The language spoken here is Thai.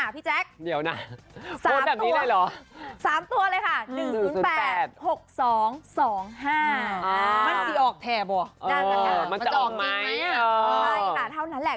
พี่แจ๊ค๓ตัวเลยค่ะ๑๐๘๖๒๒๕มันจะออกแทบว่ะมันจะออกจริงไหมใช่แต่เท่านั้นแหละ